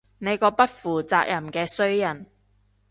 你個不負責任嘅衰人